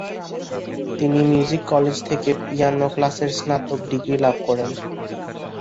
তিনি music college থেকে piano ক্লাসে স্নাতক ডিগ্রী লাভ করেন।